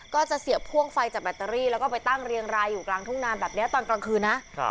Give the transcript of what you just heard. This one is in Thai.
จะเสียบพ่วงไฟจากแบตเตอรี่แล้วก็ไปตั้งเรียงรายอยู่กลางทุ่งนาแบบนี้ตอนกลางคืนนะ